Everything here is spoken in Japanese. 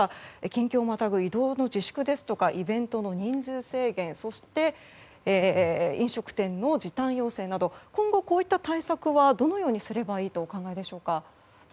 県境をまたぐ移動の自粛ですとかイベントの人数制限そして、飲食店の時短要請など今後、こういった対策はどうすればいいでしょうか。